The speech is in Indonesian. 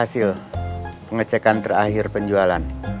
hasil pengecekan terakhir penjualan